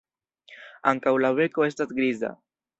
Ankaŭ la beko estas griza.